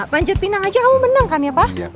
panji pinang aja kamu menang kan ya pak